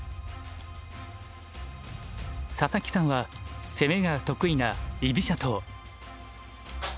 佐々木さんは攻めが得意な居飛車党。